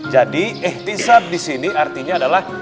jadi ihtisab disini artinya adalah